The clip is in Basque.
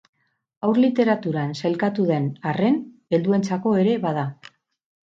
Haur Literaturan sailkatu den arren, helduentzako ere bada.